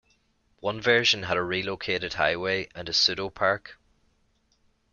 One version had a relocated highway and a pseudo-park.